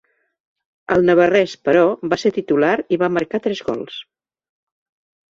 El navarrès, però, va ser titular i va marcar tres gols.